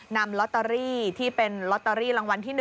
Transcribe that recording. นำลอตเตอรี่ที่เป็นลอตเตอรี่รางวัลที่๑